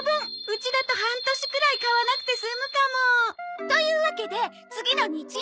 うちだと半年くらい買わなくて済むかも！というわけで次の日曜開催！